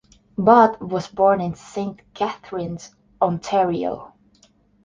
Budd was born in Saint Catharines, Ontario.